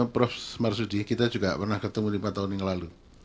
prof marsudi kita juga pernah ketemu lima tahun yang lalu